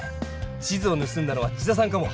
地図をぬすんだのは千田さんかも！